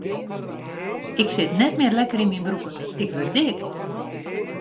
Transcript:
Ik sit net mear lekker yn myn broeken, ik wurd dik.